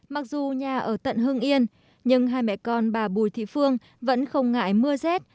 mặc dù nhà ở tận hưng yên nhưng hai mẹ con bà bùi thị phương vẫn không ngại mưa rét